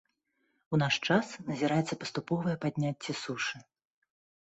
У наш час назіраецца паступовае падняцце сушы.